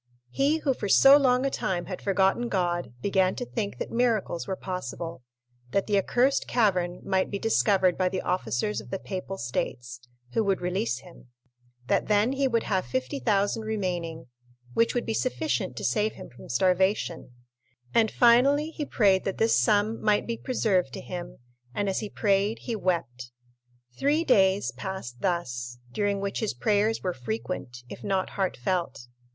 He, who for so long a time had forgotten God, began to think that miracles were possible—that the accursed cavern might be discovered by the officers of the Papal States, who would release him; that then he would have 50,000 remaining, which would be sufficient to save him from starvation; and finally he prayed that this sum might be preserved to him, and as he prayed he wept. Three days passed thus, during which his prayers were frequent, if not heartfelt.